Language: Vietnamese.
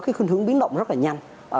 cái khuyến hướng biến động rất là nhanh